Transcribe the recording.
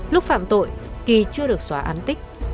lúc phạm tội ki chưa được xóa án tích